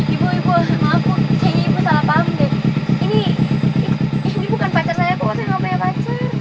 ibu ibu maaf sayangnya ibu salah paham dek ini bukan pacar saya kok saya nggak punya pacar